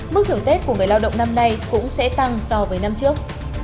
mức thưởng tết của người lao động năm nay cũng sẽ tăng so với năm trước